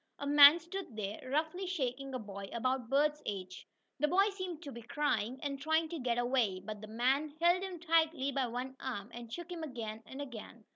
A man stood there, roughly shaking a boy about Bert's age. The boy seemed to be crying, and trying to get away, but the man held him tightly by one arm, and shook him again and again.